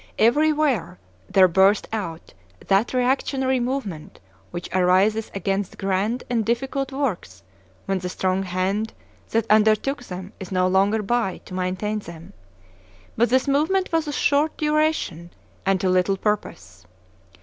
Everywhere there burst out that reactionary movement which arises against grand and difficult works when the strong hand that undertook them is no longer by to maintain them; but this movement was of short duration and to little purpose.